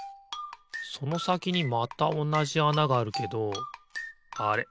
そのさきにまたおなじあながあるけどあれ？